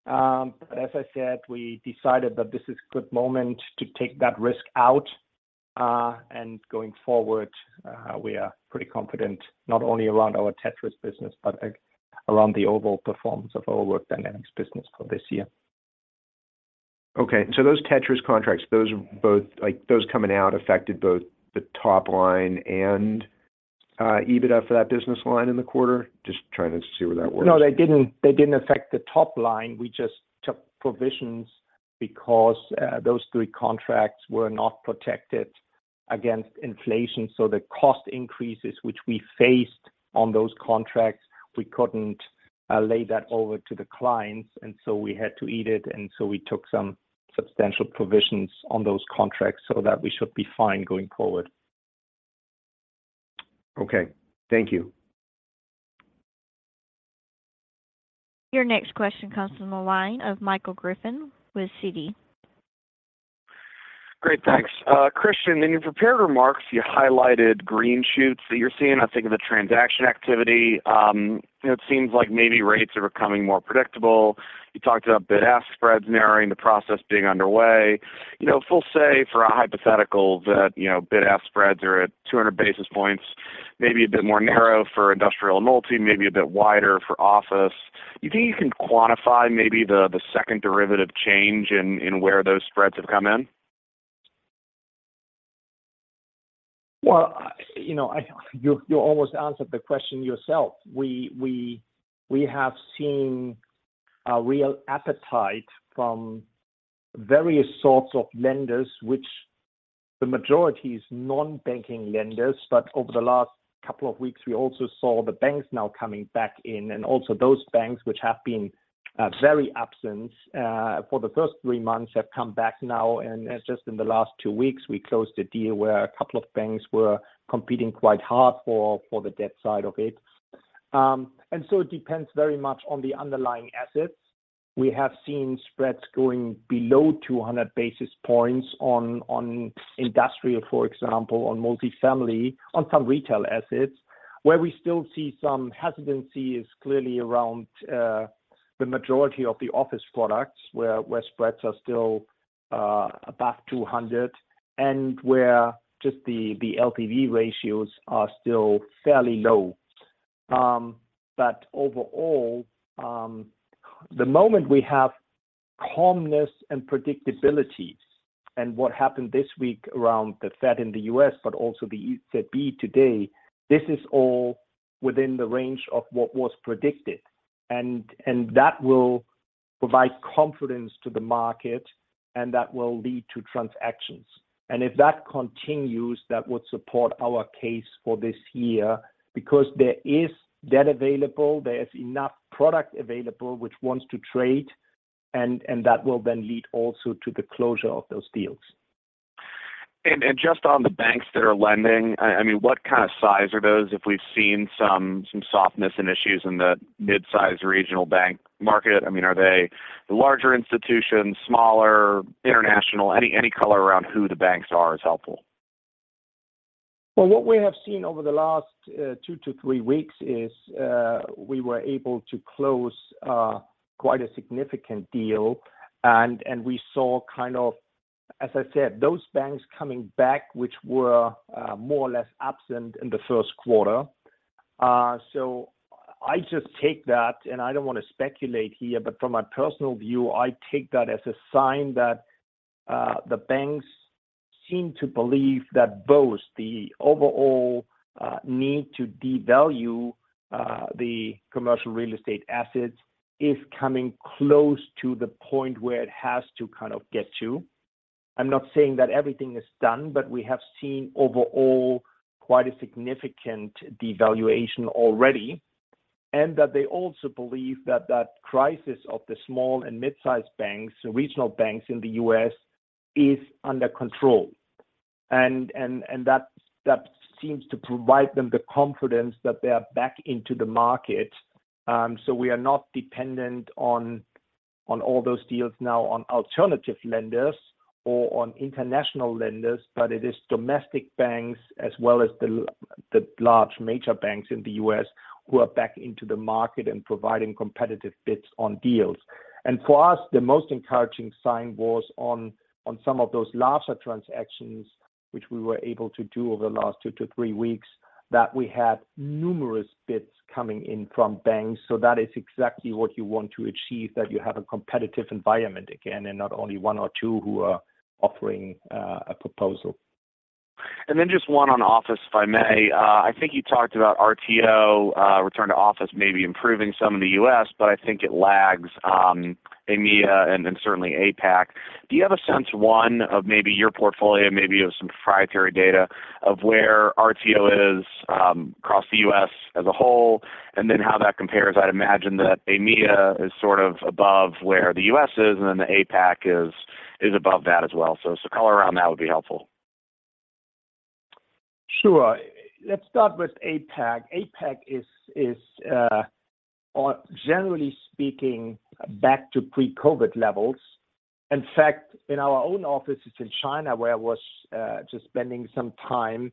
As I said, we decided that this is good moment to take that risk out. Going forward, we are pretty confident not only around our Tétris business, but around the overall performance of our Work Dynamics business for this year. Okay. those Tétris contracts, those coming out affected both the top line and EBITDA for that business line in the quarter? Just trying to see where that works. No, they didn't, they didn't affect the topline. We just took provisions because those three contracts were not protected against inflation. The cost increases which we faced on those contracts, we couldn't lay that over to the clients, and so we had to eat it. We took some substantial provisions on those contracts so that we should be fine going forward. Okay. Thank you. Your next question comes from the line of Michael Griffin with Citi. Great. Thanks. Christian, in your prepared remarks, you highlighted green shoots that you're seeing. I think the transaction activity, it seems like maybe rates are becoming more predictable. You talked about bid-ask spreads narrowing, the process being underway. You know, if we'll say for a hypothetical that, you know, bid-ask spreads are at 200 basis points, maybe a bit more narrow for industrial and multi, maybe a bit wider for office. You think you can quantify maybe the second derivative change in where those spreads have come in? Well, you know, you almost answered the question yourself. We have seen a real appetite from various sorts of lenders, which the majority is non-banking lenders. Over the last couple of weeks, we also saw the banks now coming back in, and also those banks which have been very absent for the first three months, have come back now. Just in the last two weeks, we closed a deal where a couple of banks were competing quite hard for the debt side of it. It depends very much on the underlying assets. We have seen spreads going below 200 basis points on industrial, for example, on multifamily, on some retail assets. Where we still see some hesitancy is clearly around the majority of the office products, where spreads are still above 200 and where just the LTV ratios are still fairly low. Overall, the moment we have calmness and predictability and what happened this week around the Fed in the U.S., but also the ECB today, this is all within the range of what was predicted. That will provide confidence to the market, and that will lead to transactions. If that continues, that would support our case for this year because there is debt available, there is enough product available which wants to trade, that will then lead also to the closure of those deals. Just on the banks that are lending, I mean, what kind of size are those? If we've seen some softness and issues in the mid-size regional bank market, I mean, are they larger institutions, smaller, international? Any color around who the banks are is helpful. What we have seen over the last two to three weeks is we were able to close quite a significant deal. We saw kind of, as I said, those banks coming back, which were more or less absent in the first quarter. I just take that, and I don't want to speculate here, but from my personal view, I take that as a sign that the banks seem to believe that both the overall need to devalue the commercial real estate assets is coming close to the point where it has to kind of get to. I'm not saying that everything is done, but we have seen overall quite a significant devaluation already. That they also believe that that crisis of the small and mid-sized banks, regional banks in the U.S., is under control. That seems to provide them the confidence that they are back into the market. We are not dependent on all those deals now on alternative lenders or on international lenders, but it is domestic banks as well as the large major banks in the U.S. who are back into the market and providing competitive bids on deals. For us, the most encouraging sign was on some of those larger transactions which we were able to do over the last two to three weeks, that we had numerous bids coming in from banks. That is exactly what you want to achieve, that you have a competitive environment again, and not only one or two who are offering a proposal. Just one on office, if I may. I think you talked about RTO, return to office maybe improving some in the US, but I think it lags EMEA and certainly APAC. Do you have a sense, one, of maybe your portfolio, maybe of some proprietary data of where RTO is across the U.S. as a whole and then how that compares? I'd imagine that EMEA is sort of above where the U.S. is, and then the APAC is above that as well. Some color around that would be helpful. Sure. Let's start with APAC. APAC is, or generally speaking, back to pre-COVID levels. In fact, in our own offices in China, where I was just spending some time,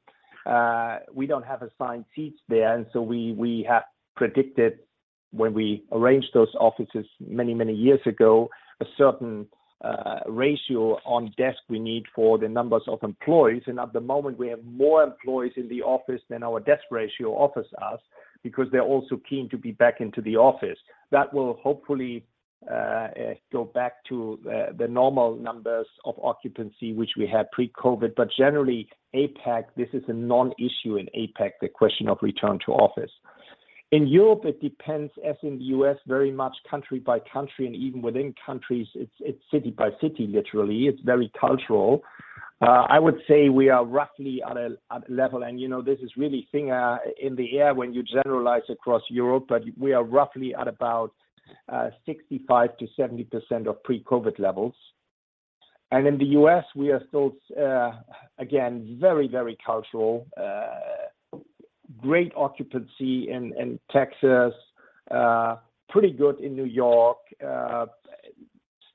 we don't have assigned seats there. We have predicted when we arranged those offices many years ago, a certain ratio on desk we need for the numbers of employees. At the moment, we have more employees in the office than our desk ratio offers us because they're all so keen to be back into the office. That will hopefully go back to the normal numbers of occupancy, which we had pre-COVID. Generally, APAC, this is a non-issue in APAC, the question of return to office. In Europe, it depends, as in the U.S., very much country by country, and even within countries, it's city by city, literally. It's very cultural. I would say we are roughly at a level and you know, this is really thing in the air when you generalize across Europe, but we are roughly at about 65%-70% of pre-COVID levels. In the U.S., we are still, again, very cultural. Great occupancy in Texas, pretty good in New York.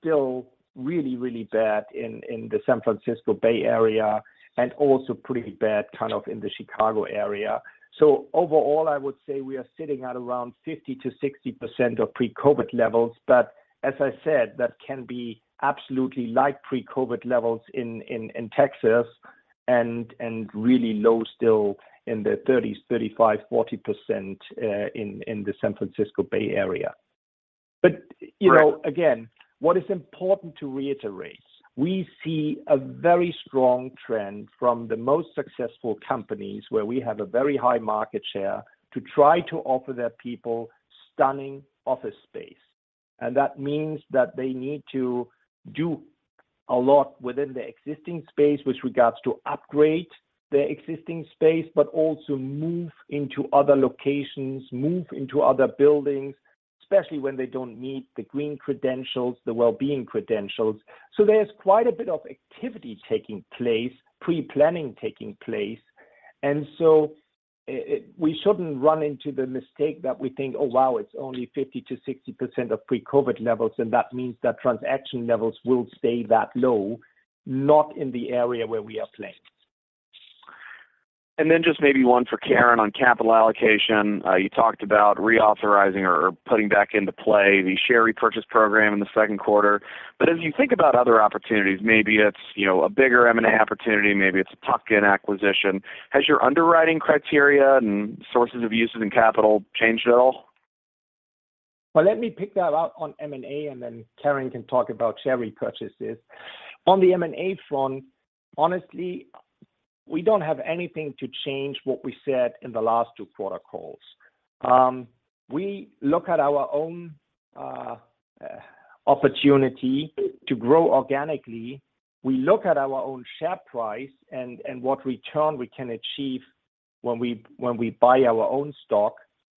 Still really bad in the San Francisco Bay Area and also pretty bad kind of in the Chicago area. Overall, I would say we are sitting at around 50%-60% of pre-COVID levels. As I said, that can be absolutely like pre-COVID levels in Texas and really low still in the 30s, 35%, 40% in the San Francisco Bay Area. You know. Right again, what is important to reiterate, we see a very strong trend from the most successful companies where we have a very high market share to try to offer their people stunning office space. And that means that they need to do a lot within the existing space with regards to upgrade their existing space, but also move into other locations, move into other buildings, especially when they don't need the green credentials, the well-being credentials. There's quite a bit of activity taking place, pre-planning taking place. We shouldn't run into the mistake that we think, "Oh, wow, it's only 50%-60% of pre-COVID levels, and that means that transaction levels will stay that low." Not in the area where we are playing. Just maybe one for Karen on capital allocation. You talked about reauthorizing or putting back into play the share repurchase program in the second quarter. As you think about other opportunities, maybe it's, you know, a bigger M&A opportunity, maybe it's a tuck-in acquisition. Has your underwriting criteria and sources of uses and capital changed at all? Well, let me pick that up on M&A, and then Karen can talk about share repurchases. On the M&A front, honestly, we don't have anything to change what we said in the last two protocols. We look at our own opportunity to grow organically. We look at our own share price and what return we can achieve when we buy our own stock,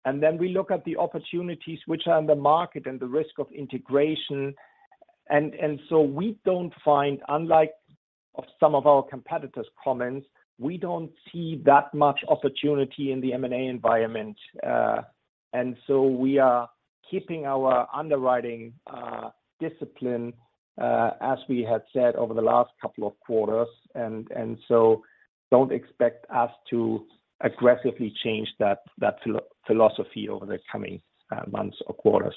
and then we look at the opportunities which are on the market and the risk of integration. We don't find, unlike of some of our competitors' comments, we don't see that much opportunity in the M&A environment. We are keeping our underwriting discipline as we had said over the last couple of quarters, don't expect us to aggressively change that philosophy over the coming months or quarters.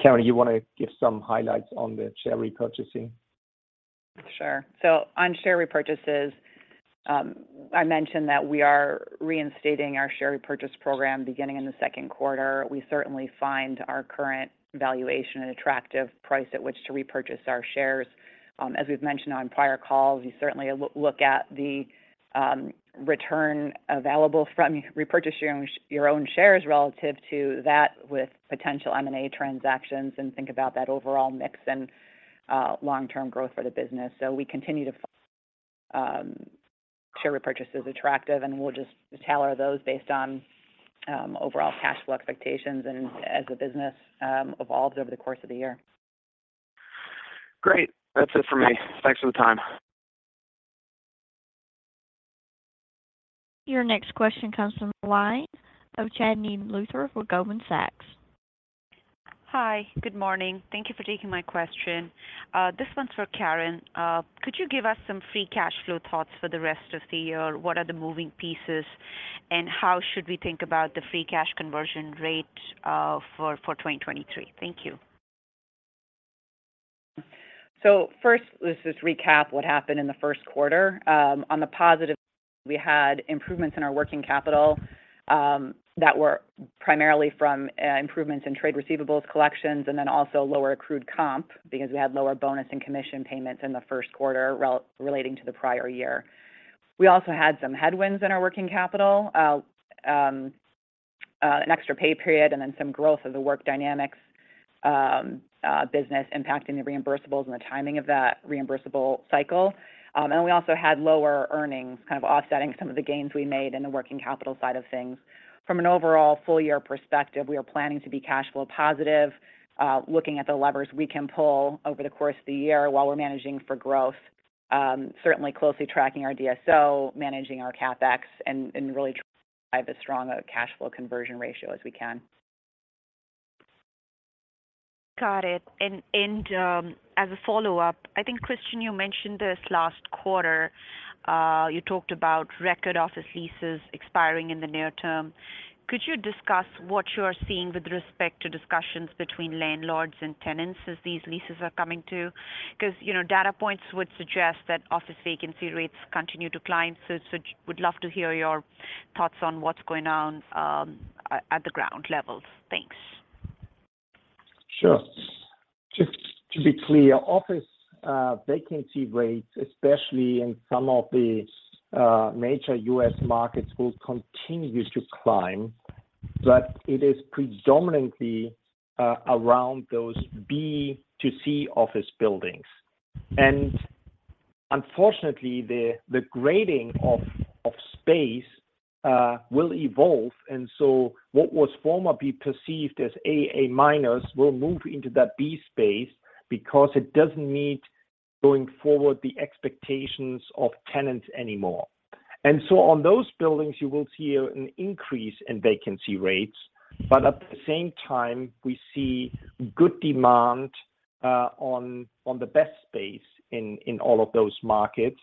Karen, you want to give some highlights on the share repurchasing? Sure. On share repurchases, I mentioned that we are reinstating our share repurchase program beginning in the second quarter. We certainly find our current valuation an attractive price at which to repurchase our shares. As we've mentioned on prior calls, you certainly look at the return available from repurchasing your own shares relative to that with potential M&A transactions and think about that overall mix and long-term growth for the business. We continue to , share repurchase is attractive, and we'll just tailor those based on overall cash flow expectations and as the business evolves over the course of the year. Great. That's it for me. Thanks for the time. Your next question comes from the line of Chandni Luthra with Goldman Sachs. Hi. Good morning. Thank you for taking my question. This one's for Karen. Could you give us some free cash flow thoughts for the rest of the year? What are the moving pieces, and how should we think about the free cash conversion rate for 2023? Thank you. First, let's just recap what happened in the first quarter. On the positive, we had improvements in our working capital that were primarily from improvements in trade receivables collections, and then also lower accrued comp because we had lower bonus and commission payments in the first quarter relating to the prior year. We also had some headwinds in our working capital, an extra pay period and then some growth of the Work Dynamics business impacting the reimbursables and the timing of that reimbursable cycle. We also had lower earnings, kind of offsetting some of the gains we made in the working capital side of things. From an overall full year perspective, we are planning to be cash flow positive, looking at the levers we can pull over the course of the year while we're managing for growth. Certainly closely tracking our DSO, managing our CapEx, and really drive as strong a cash flow conversion ratio as we can. Got it. As a follow-up, I think, Christian, you mentioned this last quarter, you talked about record office leases expiring in the near term. Could you discuss what you are seeing with respect to discussions between landlords and tenants as these leases are coming to? Because, you know, data points would suggest that office vacancy rates continue to climb. Would love to hear your thoughts on what's going on, at the ground level. Thanks. Sure. Just to be clear, office vacancy rates, especially in some of the major U.S. markets, will continue to climb, but it is predominantly around those B-C office buildings. Unfortunately, the grading of space will evolve. What was formerly perceived as AA- will move into that B space because it doesn't meet, going forward the expectations of tenants anymore. On those buildings, you will see an increase in vacancy rates. At the same time, we see good demand on the best space in all of those markets.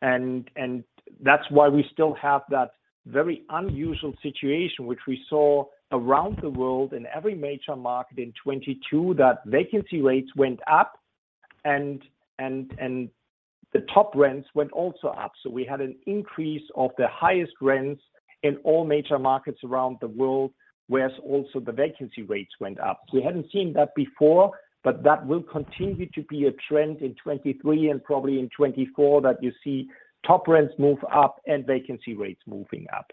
That's why we still have that very unusual situation which we saw around the world in every major market in 2022, that vacancy rates went up and the top rents went also up. We had an increase of the highest rents in all major markets around the world, whereas also the vacancy rates went up. We hadn't seen that before, but that will continue to be a trend in 2023 and probably in 2024, that you see top rents move up and vacancy rates moving up.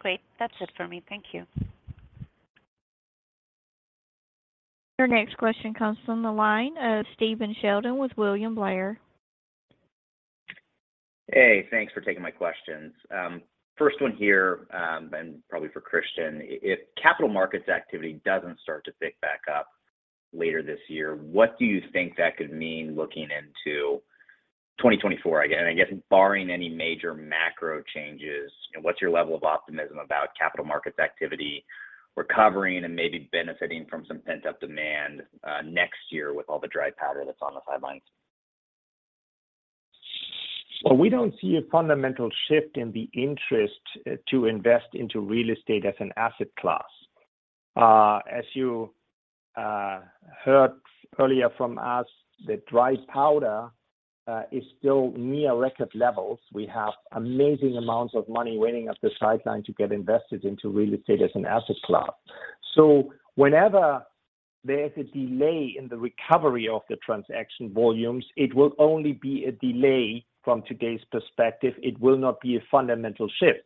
Great. That's it for me. Thank you. Your next question comes from the line of Stephen Sheldon with William Blair. Hey, thanks for taking my questions. First one here, and probably for Christian. If Capital Markets activity doesn't start to pick back up later this year, what do you think that could mean looking into 2024? I guess barring any major macro changes, what's your level of optimism about Capital Markets activity recovering and maybe benefiting from some pent-up demand next year with all the dry powder that's on the sidelines? Well, we don't see a fundamental shift in the interest to invest into real estate as an asset class. As you heard earlier from us, the dry powder is still near record levels. We have amazing amounts of money waiting at the sideline to get invested into real estate as an asset class. Whenever there's a delay in the recovery of the transaction volumes, it will only be a delay from today's perspective. It will not be a fundamental shift.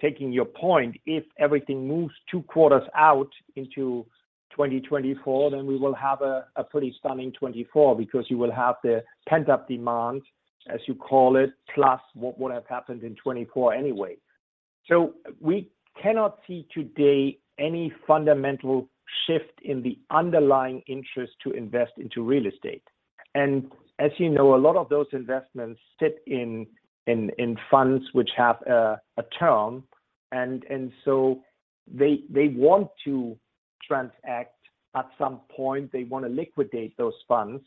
Taking your point, if everything moves two quarters out into 2024, then we will have a pretty stunning 2024 because you will have the pent-up demand, as you call it, plus what would have happened in 2024 anyway. We cannot see today any fundamental shift in the underlying interest to invest into real estate. As you know, a lot of those investments sit in funds which have a term. They want to transact at some point. They want to liquidate those funds.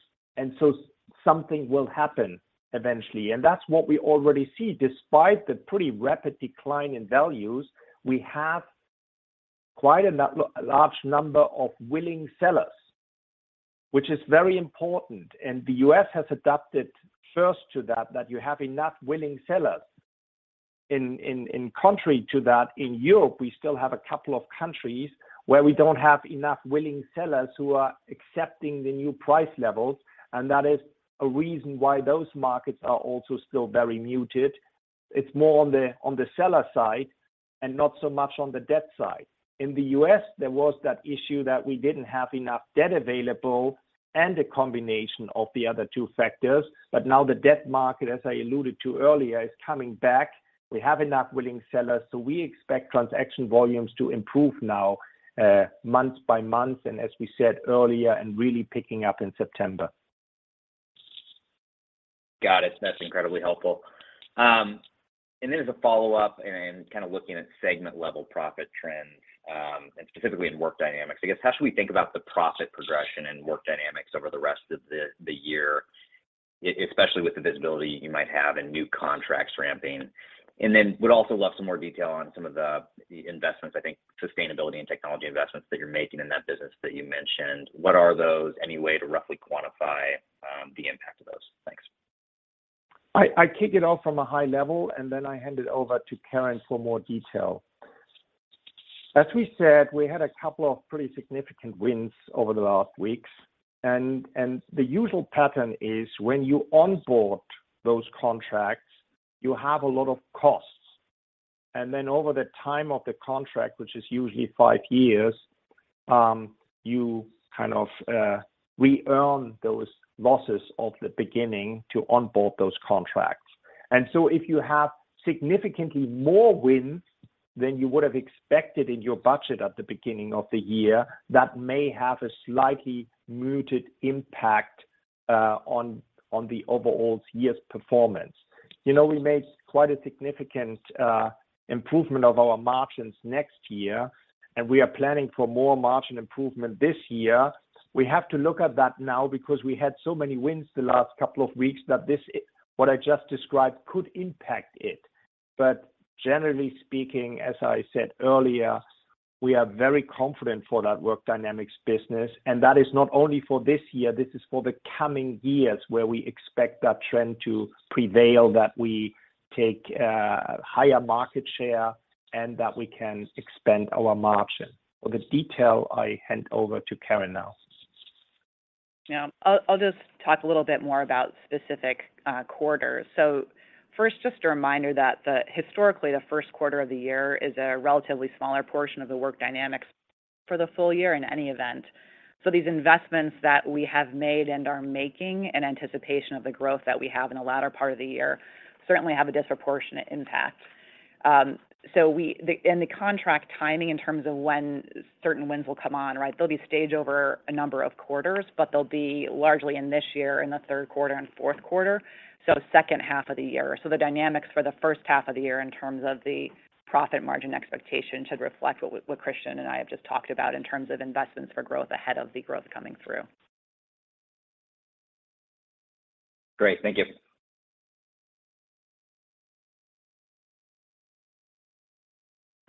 Something will happen eventually. That's what we already see. Despite the pretty rapid decline in values, we have quite a large number of willing sellers, which is very important. The U.S. has adapted first to that you have enough willing sellers. In contrary to that, in Europe, we still have a couple of countries where we don't have enough willing sellers who are accepting the new price levels. That is a reason why those markets are also still very muted. It's more on the seller side and not so much on the debt side. In the U.S., there was that issue that we didn't have enough debt available and a combination of the other two factors. Now the debt market, as I alluded to earlier, is coming back. We have enough willing sellers, so we expect transaction volumes to improve now, month by month, and as we said earlier, and really picking up in September. Got it. That's incredibly helpful. As a follow-up and kind of looking at segment-level profit trends, and specifically in Work Dynamics, I guess, how should we think about the profit progression in Work Dynamics over the rest of the year, especially with the visibility you might have in new contracts ramping? Would also love some more detail on some of the investments, I think sustainability and technology investments that you're making in that business that you mentioned. What are those? Any way to roughly quantify the impact of those? Thanks. I kick it off from a high level, and then I hand it over to Karen for more detail. As we said, we had a couple of pretty significant wins over the last weeks. The usual pattern is when you onboard those contracts, you have a lot of costs. Then over the time of the contract, which is usually five years, you kind of re-earn those losses of the beginning to onboard those contracts. If you have significantly more wins than you would have expected in your budget at the beginning of the year, that may have a slightly muted impact on the overall year's performance. You know, we made quite a significant improvement of our margins next year, and we are planning for more margin improvement this year. We have to look at that now because we had so many wins the last couple of weeks that this, what I just described could impact it. Generally speaking, as I said earlier, we are very confident for that Work Dynamics business. That is not only for this year, this is for the coming years where we expect that trend to prevail, that we take higher market share and that we can expand our margin. For the detail, I hand over to Karen now. Yeah. I'll just talk a little bit more about specific quarters. First, just a reminder that historically, the first quarter of the year is a relatively smaller portion of the Work Dynamics for the full year in any event. These investments that we have made and are making in anticipation of the growth that we have in the latter part of the year certainly have a disproportionate impact. The contract timing in terms of when certain wins will come on, right? They'll be staged over a number of quarters, but they'll be largely in this year in the third quarter and fourth quarter, so second half of the year. The dynamics for the first half of the year in terms of the profit margin expectation should reflect what Christian and I have just talked about in terms of investments for growth ahead of the growth coming through. Great. Thank you.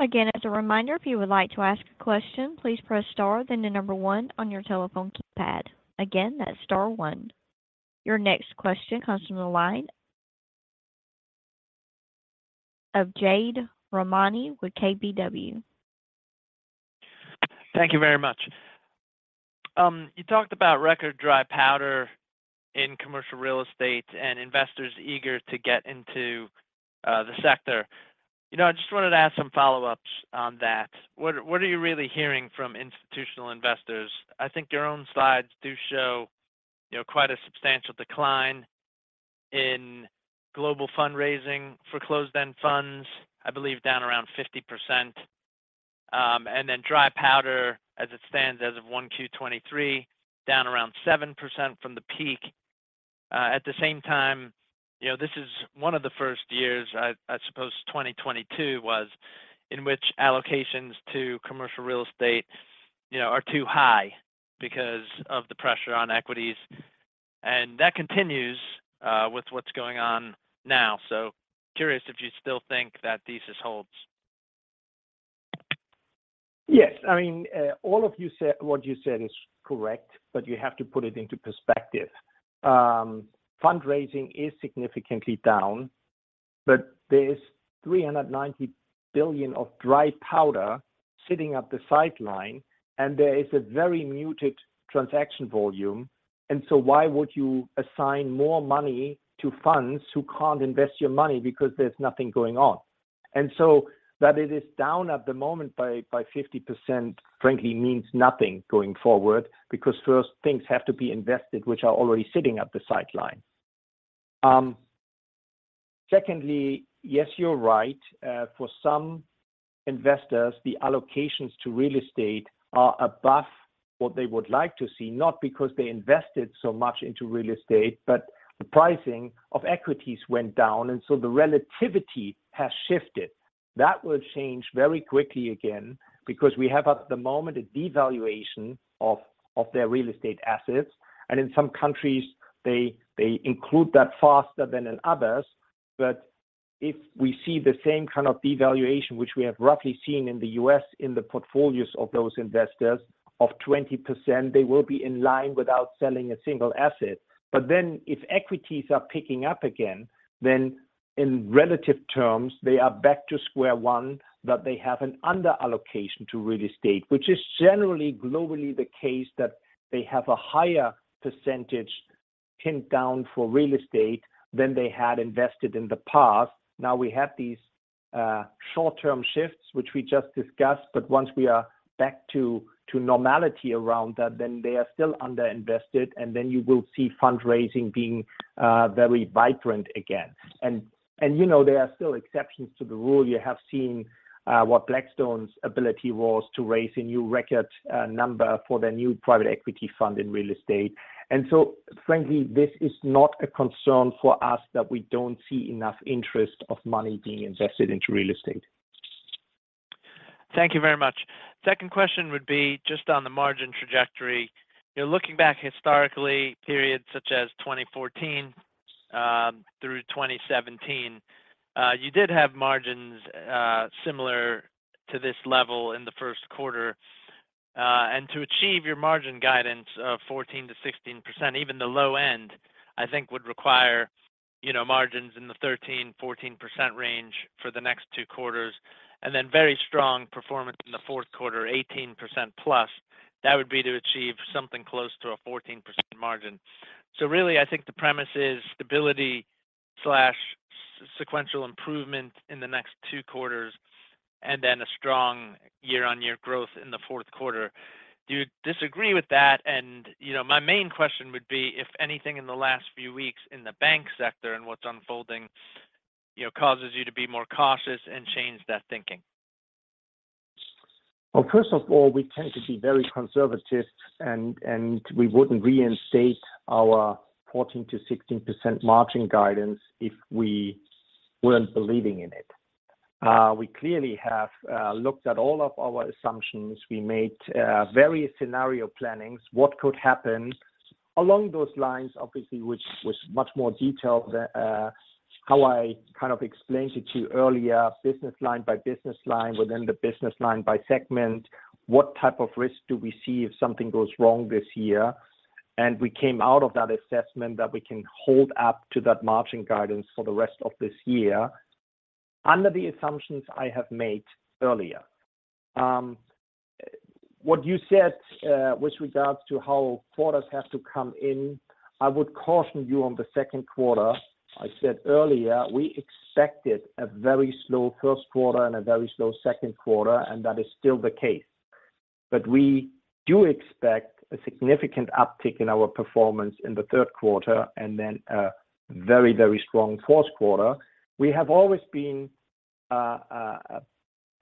Again, as a reminder, if you would like to ask a question, please press star then the number one on your telephone keypad. Again, that's star one. Your next question comes from the line of Jade Rahmani with KBW. Thank you very much. You talked about record dry powder in commercial real estate and investors eager to get into the sector. You know, I just wanted to ask some follow-ups on that. What are you really hearing from institutional investors? I think your own slides do show, you know, quite a substantial decline in global fundraising for closed-end funds, I believe down around 50%. Dry powder as it stands as of 1Q 2023, down around 7% from the peak. At the same time, you know, this is one of the first years, I suppose 2022 was, in which allocations to commercial real estate, you know, are too high because of the pressure on equities. That continues with what's going on now. Curious if you still think that thesis holds. Yes. I mean, what you said is correct, but you have to put it into perspective. Fundraising is significantly down, but there is $390 billion of dry powder sitting at the sideline, and there is a very muted transaction volume. Why would you assign more money to funds who can't invest your money because there's nothing going on? That it is down at the moment by 50%, frankly, means nothing going forward because first things have to be invested, which are already sitting at the sideline. Secondly, yes, you're right. For some investors, the allocations to real estate are above what they would like to see, not because they invested so much into real estate, but the pricing of equities went down, and so the relativity has shifted. That will change very quickly again because we have at the moment a devaluation of their real estate assets. In some countries, they include that faster than in others. If we see the same kind of devaluation, which we have roughly seen in the US in the portfolios of those investors of 20%, they will be in line without selling a single asset. If equities are picking up again, then in relative terms, they are back to square one, that they have an under allocation to real estate, which is generally globally the case that they have a higher percentage pinned down for real estate than they had invested in the past. We have these short-term shifts, which we just discussed, but once we are back to normality around that, then they are still underinvested, then you will see fundraising being very vibrant again. You know there are still exceptions to the rule. You have seen what Blackstone's ability was to raise a new record number for their new private equity fund in real estate. Frankly, this is not a concern for us that we don't see enough interest of money being invested into real estate. Thank you very much. Second question would be just on the margin trajectory. You know, looking back historically, periods such as 2014 through 2017, you did have margins similar to this level in the first quarter. And to achieve your margin guidance of 14%-16%, even the low end, I think would require, you know, margins in the 13%, 14% range for the next two quarters, and then very strong performance in the fourth quarter, 18%+. That would be to achieve something close to a 14% margin. Really, I think the premise is stability/sequential improvement in the next two quarters and then a strong year-on-year growth in the fourth quarter. Do you disagree with that? You know, my main question would be if anything in the last few weeks in the bank sector and what's unfolding, you know, causes you to be more cautious and change that thinking? First of all, we tend to be very conservative and we wouldn't reinstate our 14%-16% margin guidance if we weren't believing in it. We clearly have looked at all of our assumptions. We made various scenario plannings. What could happen along those lines, obviously, which was much more detailed, how I kind of explained it to you earlier, business line by business line within the business line by segment. What type of risk do we see if something goes wrong this year? We came out of that assessment that we can hold up to that margin guidance for the rest of this year under the assumptions I have made earlier. What you said with regards to how quarters have to come in, I would caution you on the second quarter. I said earlier, we expected a very slow first quarter and a very slow second quarter. That is still the case. We do expect a significant uptick in our performance in the third quarter and then a very, very strong fourth quarter. We have always been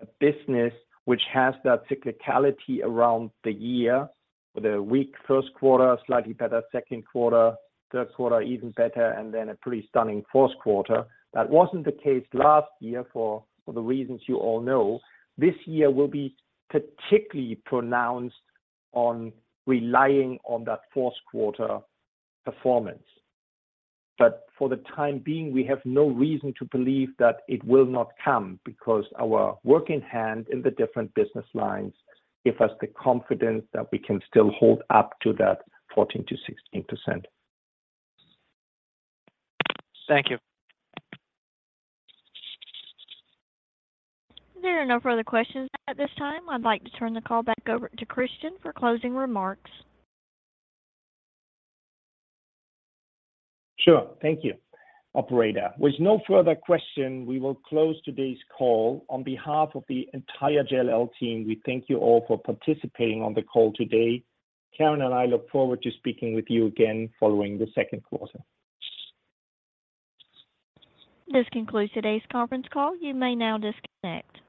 a business which has that cyclicality around the year with a weak first quarter, slightly better second quarter, third quarter even better, and then a pretty stunning fourth quarter. That wasn't the case last year for the reasons you all know. This year will be particularly pronounced on relying on that fourth quarter performance. For the time being, we have no reason to believe that it will not come because our work in hand in the different business lines give us the confidence that we can still hold up to that 14%-16%. Thank you. There are no further questions at this time. I'd like to turn the call back over to Christian for closing remarks. Sure. Thank you, operator. With no further question, we will close today's call. On behalf of the entire JLL team, we thank you all for participating on the call today. Karen and I look forward to speaking with you again following the second quarter. This concludes today's conference call. You may now disconnect.